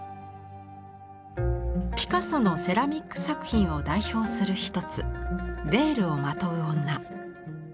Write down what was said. ピカソのセラミック作品を代表する一つ「ヴェールをまとう女」。